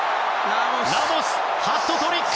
ラモス、ハットトリック！